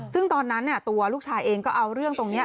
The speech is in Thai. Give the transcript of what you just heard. ซึ่งตอนนั้นตัวลูกชายเองก็เอาเรื่องตรงนี้